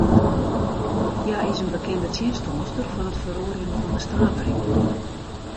Hja is in bekende tsjinstanster fan it feroarjen fan de stavering.